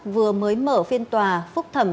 vừa mới mở phiên tòa phúc thẩm